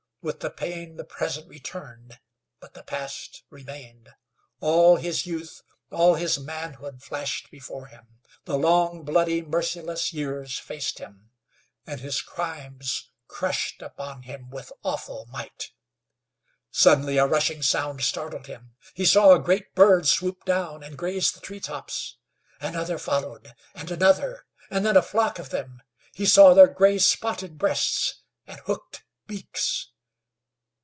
With the pain the present returned, but the past remained. All his youth, all his manhood flashed before him. The long, bloody, merciless years faced him, and his crimes crushed upon him with awful might. Suddenly a rushing sound startled him. He saw a great bird swoop down and graze the tree tops. Another followed, and another, and then a flock of them. He saw their gray, spotted breasts and hooked beaks.